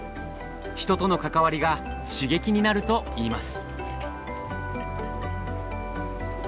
人との関わりが刺激になるといいます。